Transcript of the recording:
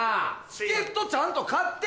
チケットちゃんと買ってんのよ！